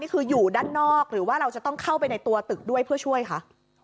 คืออยู่ด้านนอกหรือว่าเราจะต้องเข้าไปในตัวตึกด้วยเพื่อช่วยคะ